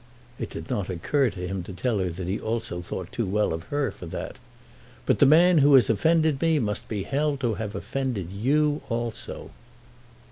It did not occur to him to tell her that he thought too well of her for that. "But the man who has offended me must be held to have offended you also."